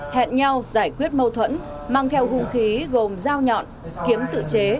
hẹn nhau giải quyết mâu thuẫn mang theo hung khí gồm dao nhọn kiếm tự chế